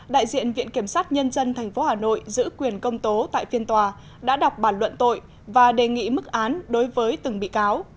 đại diện viện kiểm sát nhân dân tp hà nội giữ quyền công tố tại phiên tòa đã đọc bản luận tội và đề nghị mức án đối với từng bị cáo